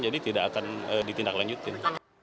jadi tidak akan ditindaklanjutin